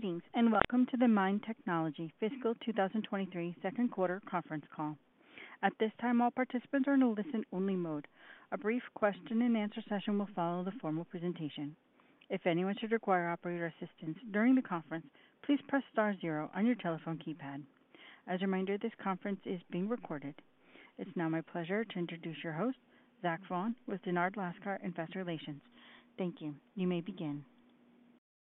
Greetings, and welcome to the MIND Technology fiscal 2023 second quarter conference call. At this time, all participants are in a listen-only mode. A brief question-and-answer session will follow the formal presentation. If anyone should require operator assistance during the conference, please press star 0 on your telephone keypad. As a reminder, this conference is being recorded. It's now my pleasure to introduce your host, Zach Vaughan with Dennard Lascar Associates. Thank you. You may begin.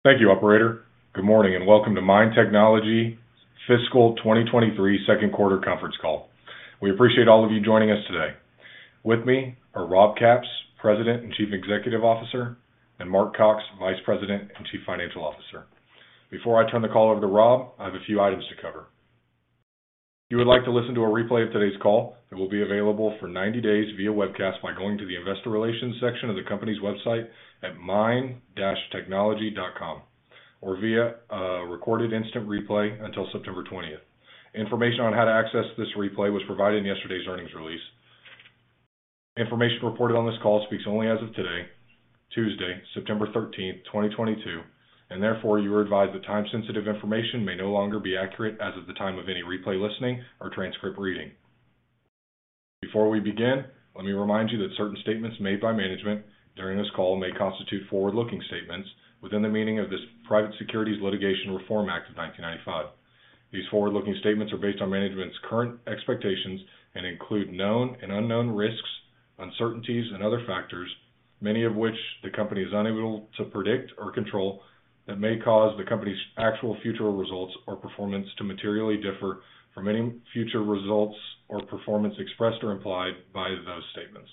Thank you, operator. Good morning, and welcome to MIND Technology fiscal 2023 second quarter conference call. We appreciate all of you joining us today. With me are Rob Capps, President and Chief Executive Officer, and Mark Cox, Vice President and Chief Financial Officer. Before I turn the call over to Rob, I have a few items to cover. If you would like to listen to a replay of today's call, it will be available for 90 days via webcast by going to the investor relations section of the company's website at mind-technology.com or via recorded instant replay until September 20th. Information on how to access this replay was provided in yesterday's earnings release. Information reported on this call speaks only as of today, Tuesday, September 13th, 2022, and therefore you are advised that time-sensitive information may no longer be accurate as of the time of any replay listening or transcript reading. Before we begin, let me remind you that certain statements made by management during this call may constitute forward-looking statements within the meaning of the Private Securities Litigation Reform Act of 1995. These forward-looking statements are based on management's current expectations and include known and unknown risks, uncertainties and other factors, many of which the company is unable to predict or control, that may cause the company's actual future results or performance to materially differ from any future results or performance expressed or implied by those statements.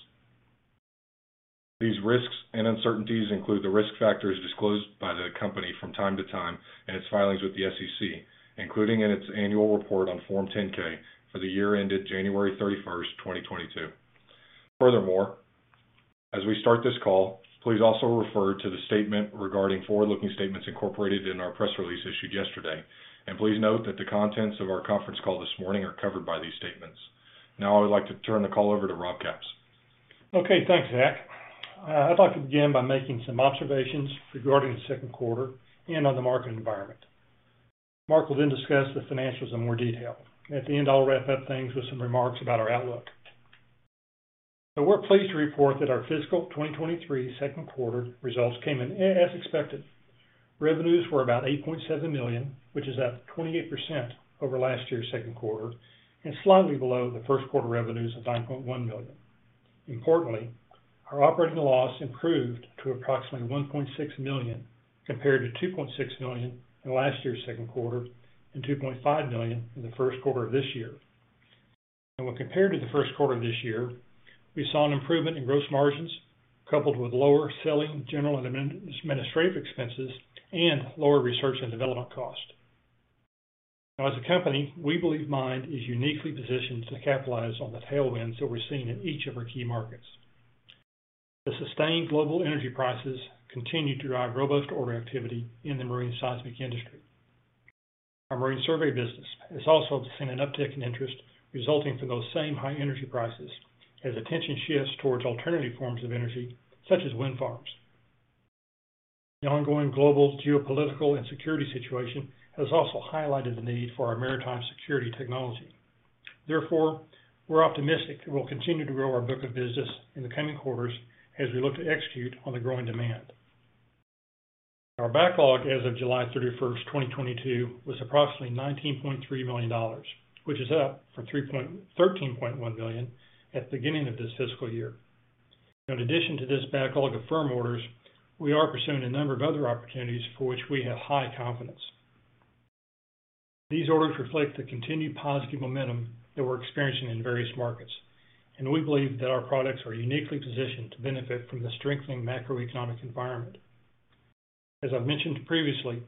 These risks and uncertainties include the risk factors disclosed by the company from time to time in its filings with the SEC, including in its annual report on Form 10-K for the year ended January 31, 2022. Furthermore, as we start this call, please also refer to the statement regarding forward-looking statements incorporated in our press release issued yesterday, and please note that the contents of our conference call this morning are covered by these statements. Now I would like to turn the call over to Rob Capps. Okay, thanks, Zach. I'd like to begin by making some observations regarding the second quarter and on the market environment. Mark will then discuss the financials in more detail. At the end, I'll wrap up things with some remarks about our outlook. We're pleased to report that our fiscal 2023 second quarter results came in as expected. Revenues were about $8.7 million, which is up 28% over last year's second quarter and slightly below the first quarter revenues of $9.1 million. Importantly, our operating loss improved to approximately $1.6 million, compared to $2.6 million in last year's second quarter and $2.5 million in the first quarter of this year. When compared to the first quarter of this year, we saw an improvement in gross margins coupled with lower selling, general and administrative expenses and lower research and development cost. Now as a company, we believe MIND is uniquely positioned to capitalize on the tailwinds that we're seeing in each of our key markets. The sustained global energy prices continue to drive robust order activity in the marine seismic industry. Our marine survey business has also seen an uptick in interest resulting from those same high energy prices as attention shifts towards alternative forms of energy such as wind farms. The ongoing global geopolitical and security situation has also highlighted the need for our maritime security technology. Therefore, we're optimistic that we'll continue to grow our book of business in the coming quarters as we look to execute on the growing demand. Our backlog as of July 31st, 2022, was approximately $19.3 million, which is up from $13.1 million at the beginning of this fiscal year. In addition to this backlog of firm orders, we are pursuing a number of other opportunities for which we have high confidence. These orders reflect the continued positive momentum that we're experiencing in various markets, and we believe that our products are uniquely positioned to benefit from the strengthening macroeconomic environment. As I've mentioned previously,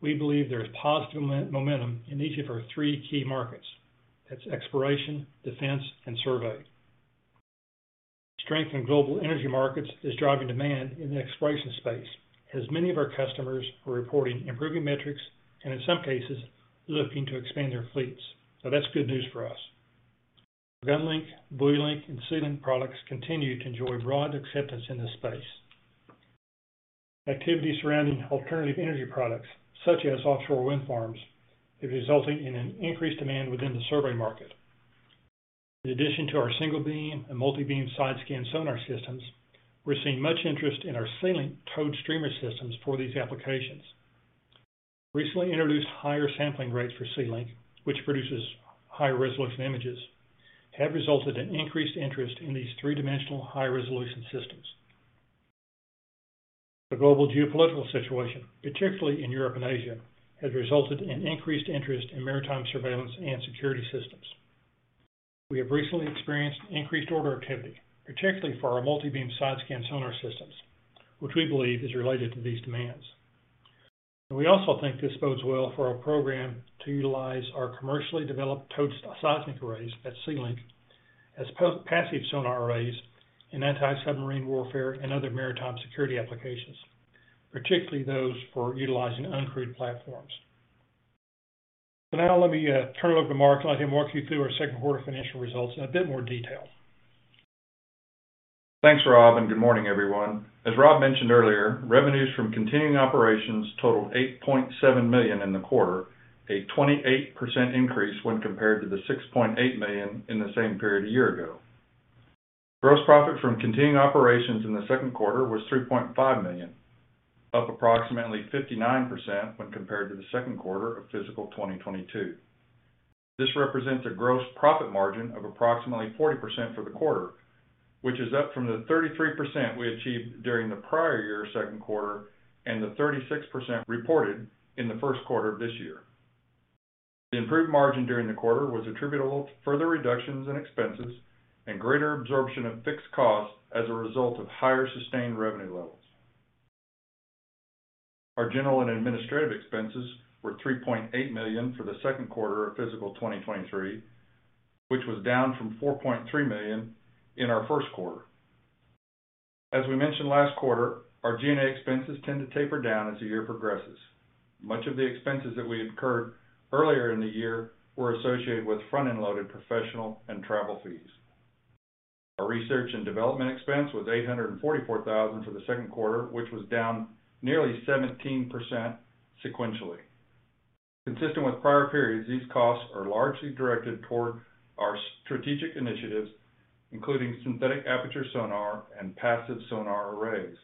we believe there is positive momentum in each of our three key markets. That's exploration, defense, and survey. Strength in global energy markets is driving demand in the exploration space as many of our customers are reporting improving metrics and in some cases looking to expand their fleets. That's good news for us. GunLink, BuoyLink, and SeaLink products continue to enjoy broad acceptance in this space. Activity surrounding alternative energy products such as offshore wind farms is resulting in an increased demand within the survey market. In addition to our single beam and multibeam side scan sonar systems, we're seeing much interest in our SeaLink towed streamer systems for these applications. Recently introduced higher sampling rates for SeaLink, which produces high-resolution images, have resulted in increased interest in these three-dimensional high-resolution systems. The global geopolitical situation, particularly in Europe and Asia, has resulted in increased interest in maritime surveillance and security systems. We have recently experienced increased order activity, particularly for our multibeam side scan sonar systems, which we believe is related to these demands. We also think this bodes well for our program to utilize our commercially developed towed seismic arrays at SeaLink as passive sonar arrays in anti-submarine warfare and other maritime security applications, particularly those for utilizing uncrewed platforms. Now let me turn it over to Mark and let him walk you through our second quarter financial results in a bit more detail. Thanks, Rob, and good morning, everyone. As Rob mentioned earlier, revenues from continuing operations totaled $8.7 million in the quarter, a 28% increase when compared to the $6.8 million in the same period a year ago. Gross profit from continuing operations in the second quarter was $3.5 million, up approximately 59% when compared to the second quarter of fiscal 2022. This represents a gross profit margin of approximately 40% for the quarter, which is up from the 33% we achieved during the prior year second quarter and the 36% reported in the first quarter of this year. The improved margin during the quarter was attributable to further reductions in expenses and greater absorption of fixed costs as a result of higher sustained revenue levels. Our general and administrative expenses were $3.8 million for the second quarter of fiscal 2023, which was down from $4.3 million in our first quarter. As we mentioned last quarter, our G&A expenses tend to taper down as the year progresses. Much of the expenses that we incurred earlier in the year were associated with front-end loaded professional and travel fees. Our research and development expense was $844,000 for the second quarter, which was down nearly 17% sequentially. Consistent with prior periods, these costs are largely directed toward our strategic initiatives, including synthetic aperture sonar and passive sonar arrays.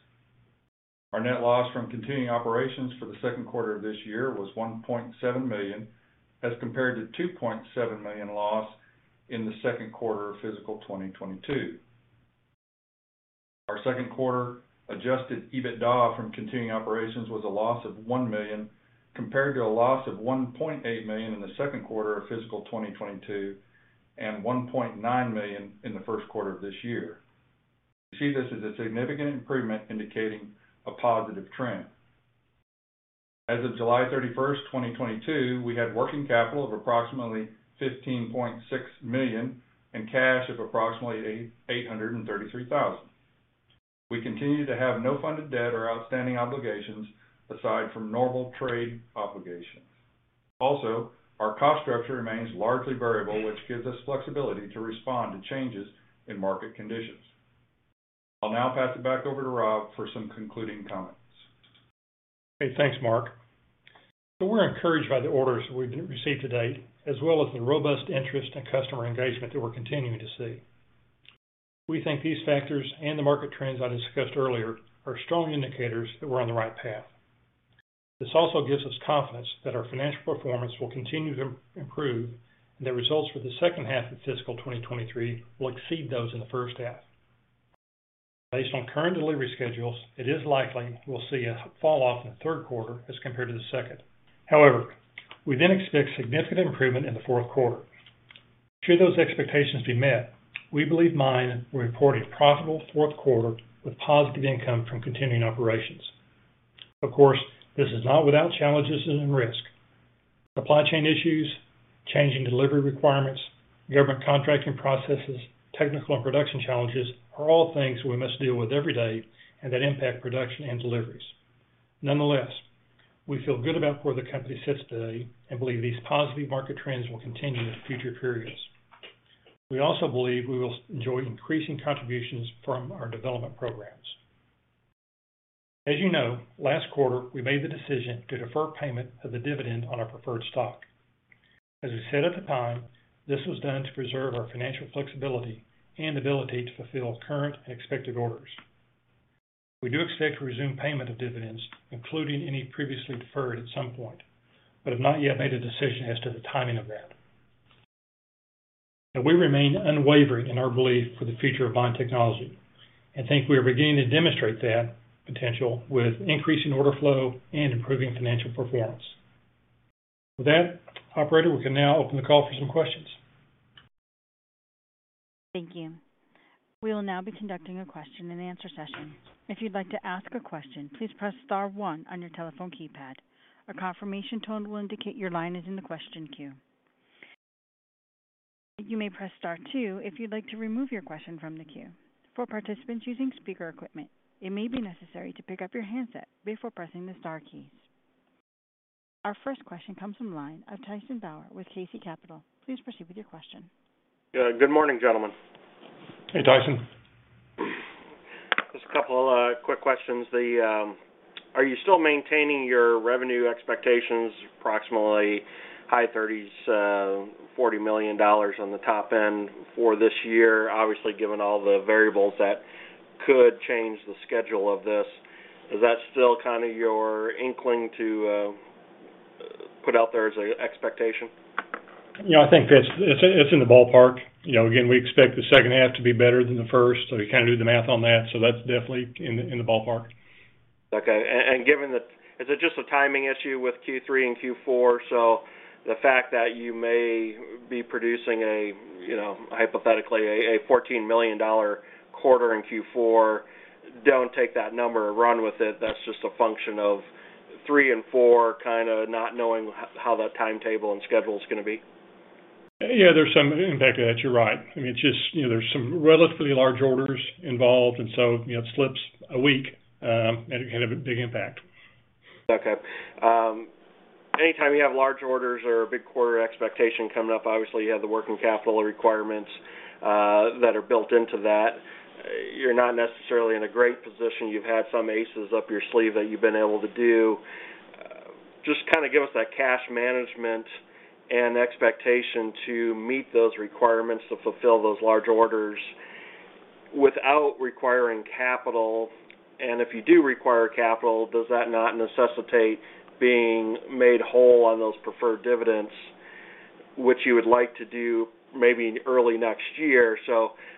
Our net loss from continuing operations for the second quarter of this year was $1.7 million as compared to $2.7 million loss in the second quarter of fiscal 2022. Our second quarter adjusted EBITDA from continuing operations was a loss of $1 million, compared to a loss of $1.8 million in the second quarter of fiscal 2022 and $1.9 million in the first quarter of this year. We see this as a significant improvement indicating a positive trend. As of July 31st, 2022, we had working capital of approximately $15.6 million and cash of approximately $833,000. We continue to have no funded debt or outstanding obligations aside from normal trade obligations. Also, our cost structure remains largely variable, which gives us flexibility to respond to changes in market conditions. I'll now pass it back over to Rob for some concluding comments. Okay, thanks Mark. We're encouraged by the orders we've received to date as well as the robust interest and customer engagement that we're continuing to see. We think these factors and the market trends I discussed earlier are strong indicators that we're on the right path. This also gives us confidence that our financial performance will continue to improve, and the results for the second half of fiscal 2023 will exceed those in the first half. Based on current delivery schedules, it is likely we'll see a fall off in the third quarter as compared to the second. However, we then expect significant improvement in the fourth quarter. Should those expectations be met, we believe MIND will report a profitable fourth quarter with positive income from continuing operations. Of course, this is not without challenges and risk. Supply chain issues, changing delivery requirements, government contracting processes, technical and production challenges are all things we must deal with every day and that impact production and deliveries. Nonetheless, we feel good about where the company sits today and believe these positive market trends will continue in future periods. We also believe we will enjoy increasing contributions from our development programs. As you know, last quarter, we made the decision to defer payment of the dividend on our preferred stock. As we said at the time, this was done to preserve our financial flexibility and ability to fulfill current and expected orders. We do expect to resume payment of dividends, including any previously deferred at some point, but have not yet made a decision as to the timing of that. We remain unwavering in our belief for the future of MIND Technology and think we are beginning to demonstrate that potential with increasing order flow and improving financial performance. With that, operator, we can now open the call for some questions. Thank you. We will now be conducting a question-and-answer session. If you'd like to ask a question, please press star one on your telephone keypad. A confirmation tone will indicate your line is in the question queue. You may press star two if you'd like to remove your question from the queue. For participants using speaker equipment, it may be necessary to pick up your handset before pressing the star keys. Our first question comes from the line of Tyson Bauer with KC Capital. Please proceed with your question. Yeah. Good morning, gentlemen. Hey, Tyson. Just a couple quick questions. Are you still maintaining your revenue expectations approximately high 30s, $40 million on the top end for this year? Obviously, given all the variables that could change the schedule of this, is that still kind of your inkling to put out there as a expectation? You know, I think it's in the ballpark. You know, again, we expect the second half to be better than the first. You kind of do the math on that. That's definitely in the ballpark. Okay. Given that, is it just a timing issue with Q3 and Q4? The fact that you may be producing, you know, hypothetically a $14 million quarter in Q4. Don't take that number or run with it. That's just a function of three and four, kind of not knowing how that timetable and schedule is gonna be. Yeah, there's some impact to that. You're right. I mean, it's just, you know, there's some relatively large orders involved, and so, you know, it slips a week, and it can have a big impact. Okay. Anytime you have large orders or a big quarter expectation coming up, obviously, you have the working capital requirements that are built into that. You're not necessarily in a great position. You've had some aces up your sleeve that you've been able to do. Just kind of give us that cash management and expectation to meet those requirements to fulfill those large orders without requiring capital. If you do require capital, does that not necessitate being made whole on those preferred dividends, which you would like to do maybe early next year?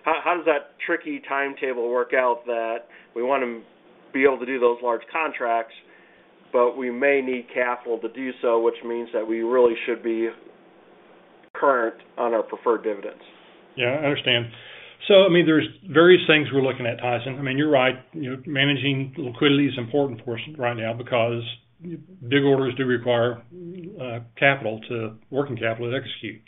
How does that tricky timetable work out that we wanna be able to do those large contracts, but we may need capital to do so, which means that we really should be current on our preferred dividends. Yeah, I understand. I mean, there's various things we're looking at, Tyson. I mean, you're right. You know, managing liquidity is important for us right now because big orders do require working capital to execute.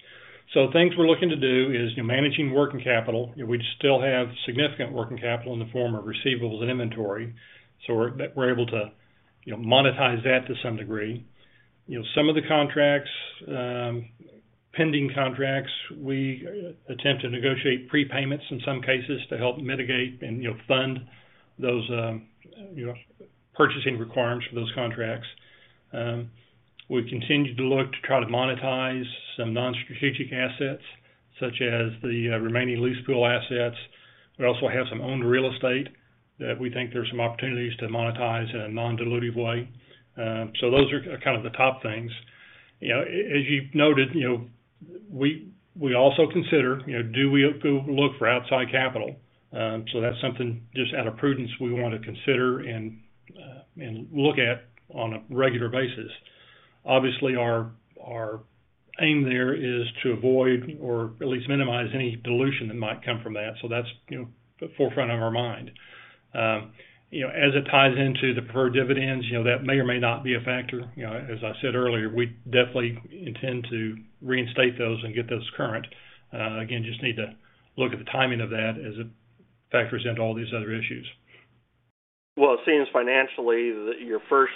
Things we're looking to do is, you know, managing working capital. We still have significant working capital in the form of receivables and inventory, so we're able to, you know, monetize that to some degree. You know, some of the contracts, pending contracts, we attempt to negotiate prepayments in some cases to help mitigate and, you know, fund those, you know, purchasing requirements for those contracts. We continue to look to try to monetize some non-strategic assets, such as the remaining lease pool assets. We also have some owned real estate that we think there's some opportunities to monetize in a non-dilutive way. Those are kind of the top things. You know, as you've noted, you know, we also consider, you know, do we go look for outside capital? That's something just out of prudence we want to consider and look at on a regular basis. Obviously, our aim there is to avoid or at least minimize any dilution that might come from that. That's, you know, the forefront of our mind. You know, as it ties into the preferred dividends, you know, that may or may not be a factor. You know, as I said earlier, we definitely intend to reinstate those and get those current. Again, just need to look at the timing of that as it factors into all these other issues. Well, it seems financially that your first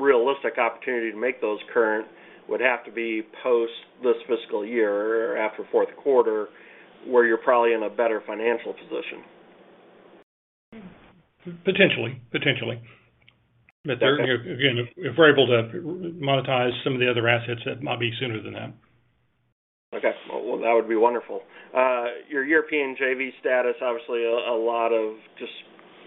realistic opportunity to make those current would have to be post this fiscal year or after fourth quarter, where you're probably in a better financial position. Potentially. There, again, if we're able to monetize some of the other assets, that might be sooner than that. Okay. Well, that would be wonderful. Your European JV status, obviously a lot of just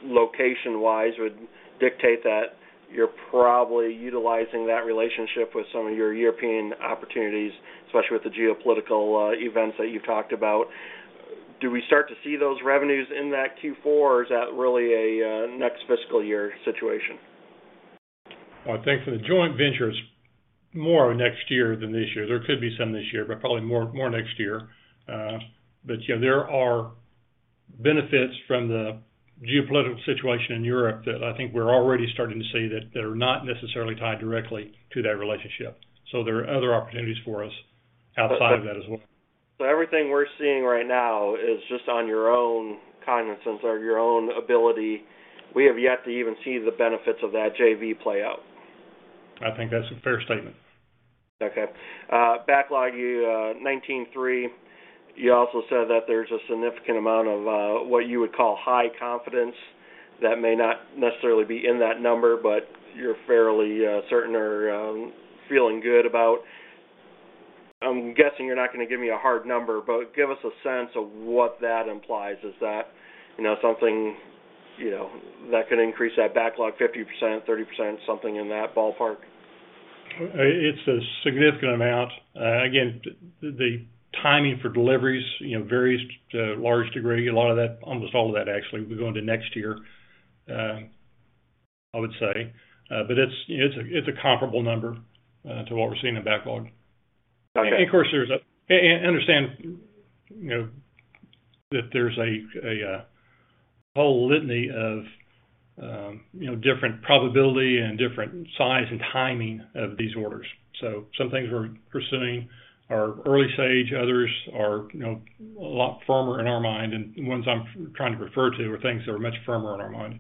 location-wise would dictate that you're probably utilizing that relationship with some of your European opportunities, especially with the geopolitical events that you've talked about. Do we start to see those revenues in that Q4, or is that really a next fiscal year situation? I think for the joint ventures, more next year than this year. There could be some this year, but probably more next year. Yeah, there are benefits from the geopolitical situation in Europe that I think we're already starting to see that are not necessarily tied directly to that relationship. There are other opportunities for us outside of that as well. Everything we're seeing right now is just on your own cognizance or your own ability. We have yet to even see the benefits of that JV play out. I think that's a fair statement. Okay. Backlog, you 19.3, you also said that there's a significant amount of what you would call high confidence that may not necessarily be in that number, but you're fairly certain or feeling good about. I'm guessing you're not gonna give me a hard number, but give us a sense of what that implies. Is that, you know, something, you know, that could increase that backlog 50%, 30%, something in that ballpark? It's a significant amount. Again, the timing for deliveries, you know, varies to a large degree. A lot of that, almost all of that actually will go into next year, I would say. But it's a comparable number to what we're seeing in backlog. Okay. Of course, understand, you know, that there's a whole litany of, you know, different probability and different size and timing of these orders. Some things we're pursuing are early stage, others are, you know, a lot firmer in our mind. The ones I'm trying to refer to are things that are much firmer in our mind.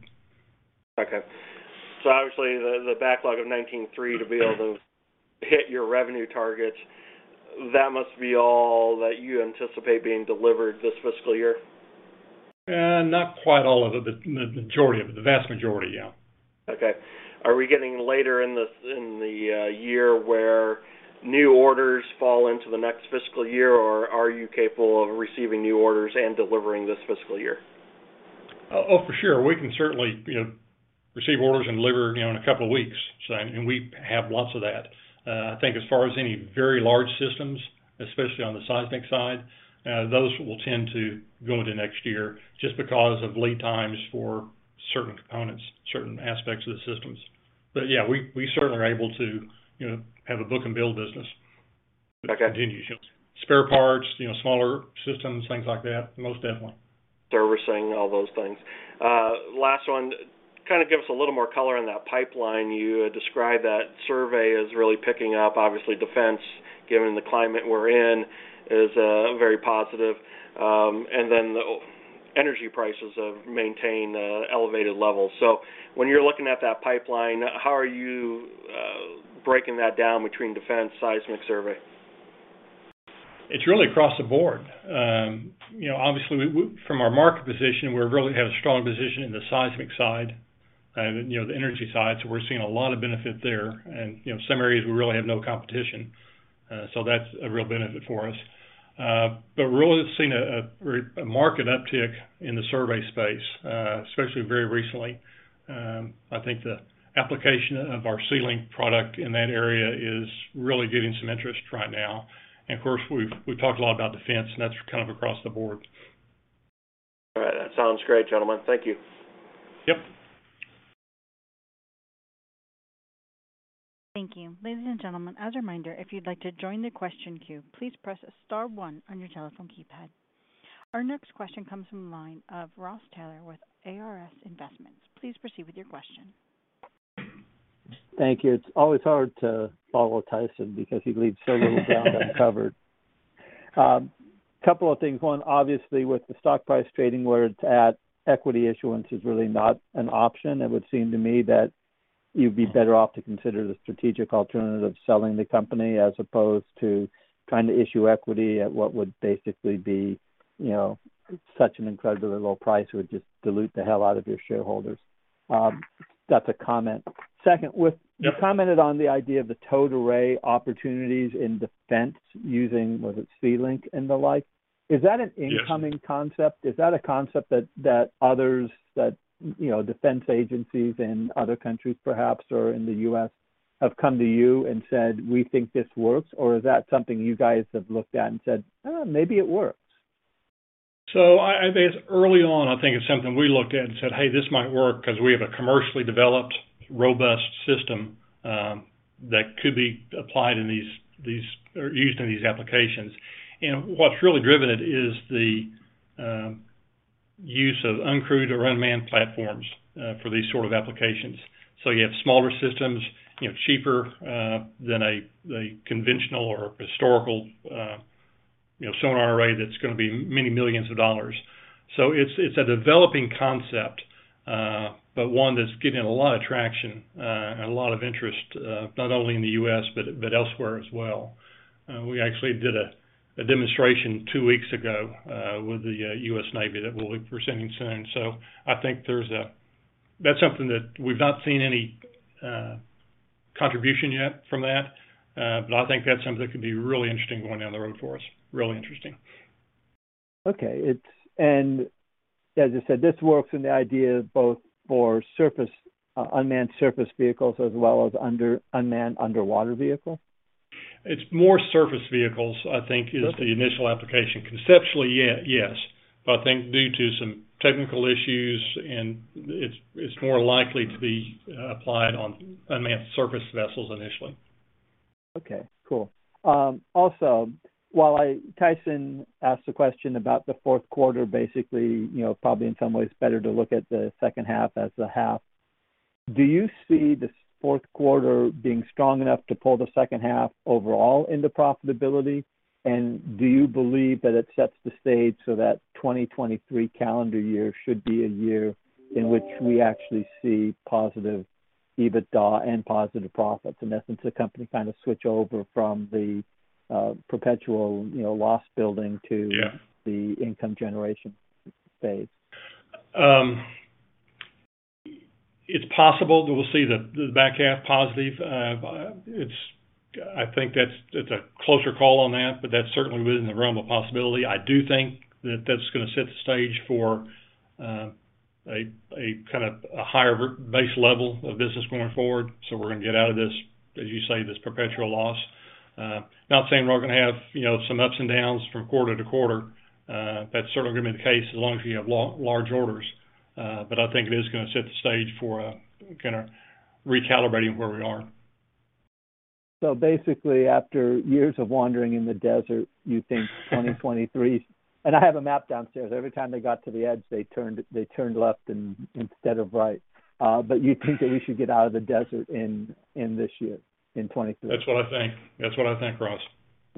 Okay. Obviously, the backlog of $19.3 to be able to hit your revenue targets, that must be all that you anticipate being delivered this fiscal year. Not quite all of it, but the majority of it. The vast majority, yeah. Okay. Are we getting later in the year where new orders fall into the next fiscal year, or are you capable of receiving new orders and delivering this fiscal year? Oh, for sure. We can certainly, you know, receive orders and deliver, you know, in a couple of weeks. We have lots of that. I think as far as any very large systems, especially on the seismic side, those will tend to go into next year just because of lead times for certain components, certain aspects of the systems. Yeah, we certainly are able to, you know, have a book and build business. Okay. Continue to show spare parts, you know, smaller systems, things like that, most definitely. Servicing, all those things. Last one. Kind of give us a little more color on that pipeline. You described that survey as really picking up. Obviously, defense, given the climate we're in, is very positive. Energy prices have maintained elevated levels. When you're looking at that pipeline, how are you breaking that down between defense seismic survey? It's really across the board. You know, obviously from our market position, we really have a strong position in the seismic side and, you know, the energy side, so we're seeing a lot of benefit there. You know, some areas we really have no competition, so that's a real benefit for us. We're really seeing a market uptick in the survey space, especially very recently. I think the application of our SeaLink product in that area is really getting some interest right now. Of course, we've talked a lot about defense, and that's kind of across the board. All right. That sounds great, gentlemen. Thank you. Yep. Thank you. Ladies and gentlemen, as a reminder, if you'd like to join the question queue, please press star one on your telephone keypad. Our next question comes from the line of P. Ross Taylor with ARS Investments. Please proceed with your question. Thank you. It's always hard to follow Tyson because he leaves so little ground uncovered. Couple of things. One, obviously, with the stock price trading where it's at, equity issuance is really not an option. It would seem to me that you'd be better off to consider the strategic alternative selling the company as opposed to trying to issue equity at what would basically be, you know, such an incredibly low price. It would just dilute the hell out of your shareholders. That's a comment. Second, with- Yeah. you commented on the idea of the towed array opportunities in defense using, was it SeaLink and the like? Yes. Is that an incoming concept? Is that a concept that others, you know, defense agencies in other countries perhaps or in the U.S. have come to you and said, "We think this works"? Or is that something you guys have looked at and said, "Oh, maybe it works"? I think early on, I think it's something we looked at and said, "Hey, this might work," 'cause we have a commercially developed, robust system that could be applied in these or used in these applications. What's really driven it is the use of uncrewed or unmanned platforms for these sort of applications. You have smaller systems, you know, cheaper than a conventional or historical, you know, sonar array that's gonna be many millions of dollars. It's a developing concept, but one that's getting a lot of traction and a lot of interest, not only in the U.S. but elsewhere as well. We actually did a demonstration two weeks ago with the U.S. Navy that we'll be presenting soon. I think that's something that we've not seen any contribution yet from that, but I think that's something that could be really interesting going down the road for us. Really interesting. Okay. As I said, this works in theory both for unmanned surface vehicles as well as unmanned underwater vehicles? It's more surface vehicles, I think, is the initial application. Conceptually, yeah, yes. I think due to some technical issues and it's more likely to be applied on unmanned surface vessels initially. Okay, cool. Also, Tyson asked a question about the fourth quarter, basically, you know, probably in some ways better to look at the second half as the half. Do you see this fourth quarter being strong enough to pull the second half overall into profitability? Do you believe that it sets the stage so that 2023 calendar year should be a year in which we actually see positive EBITDA and positive profits, in essence, the company kind of switch over from the perpetual, you know, loss building to? Yeah the income generation phase? It's possible that we'll see the back half positive. I think that's a closer call on that, but that's certainly within the realm of possibility. I do think that that's gonna set the stage for a kind of a higher baseline level of business going forward, so we're gonna get out of this, as you say, this perpetual loss. Not saying we're not gonna have, you know, some ups and downs from quarter to quarter. That's certainly gonna be the case as long as you have large orders. But I think it is gonna set the stage for a kinda recalibrating where we are. Basically, after years of wandering in the desert, you think 2023. I have a map downstairs. Every time they got to the edge, they turned left instead of right. You think that you should get out of the desert in this year, in 2023? That's what I think, Ross.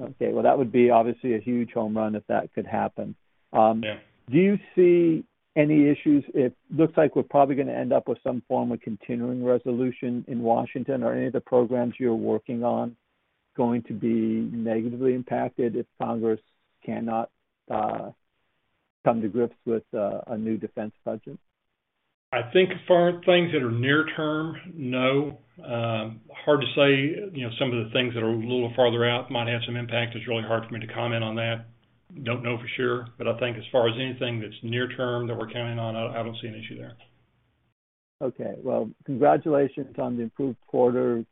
Okay. Well, that would be obviously a huge home run if that could happen. Yeah. Do you see any issues? It looks like we're probably gonna end up with some form of continuing resolution in Washington. Are any of the programs you're working on going to be negatively impacted if Congress cannot come to grips with a new defense budget? I think for things that are near term, no. Hard to say. You know, some of the things that are a little farther out might have some impact. It's really hard for me to comment on that. Don't know for sure. I think as far as anything that's near term that we're counting on, I don't see an issue there. Okay. Well, congratulations on the improved quarter.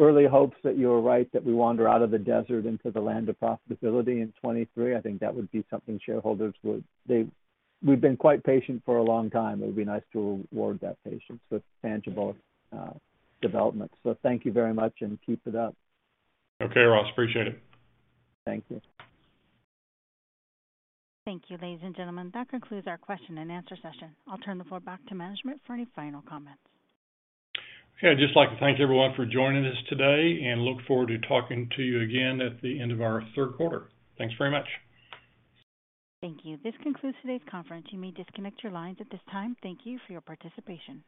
Early hopes that you're right that we wander out of the desert into the land of profitability in 2023. I think that would be something shareholders would. We've been quite patient for a long time. It would be nice to reward that patience with tangible development. Thank you very much, and keep it up. Okay, Ross. Appreciate it. Thank you. Thank you. Ladies and gentlemen, that concludes our question and answer session. I'll turn the floor back to management for any final comments. Okay. I'd just like to thank everyone for joining us today and look forward to talking to you again at the end of our third quarter. Thanks very much. Thank you. This concludes today's conference. You may disconnect your lines at this time. Thank you for your participation.